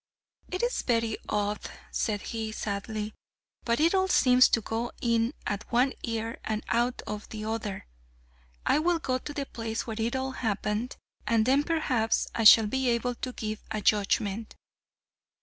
"It's very odd," said he, sadly, "but it all seems to go in at one ear and out at the other! I will go to the place where it all happened, and then perhaps I shall be able to give a judgment."